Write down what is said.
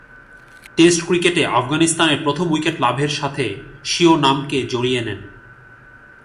Test ক্রিকেটে আফগানিস্তানের প্রথম উইকেট লাভের সাথে স্বীয় নামকে জড়িয়ে নেন।